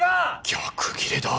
逆ギレだ！